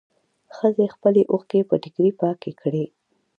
ښځې خپلې اوښکې په ټيکري پاکې کړې.